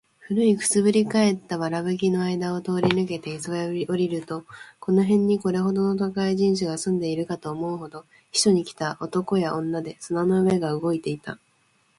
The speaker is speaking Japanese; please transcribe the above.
古い燻（くす）ぶり返った藁葺（わらぶき）の間あいだを通り抜けて磯（いそ）へ下りると、この辺にこれほどの都会人種が住んでいるかと思うほど、避暑に来た男や女で砂の上が動いていた。